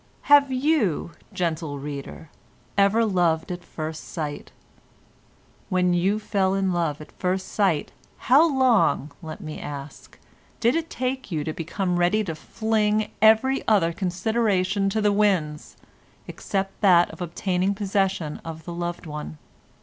Have you, gentle reader, ever loved at first sight? When you fell in love at first sight, how long, let me ask, did it take you to become ready to fling every other consideration to the winds except that of obtaining possession of the loved one?